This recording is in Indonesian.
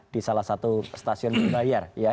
di salah satu stasiun wilayah